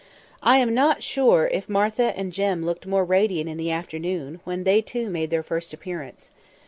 I am not sure if Martha and Jem looked more radiant in the afternoon, when they, too, made their first appearance.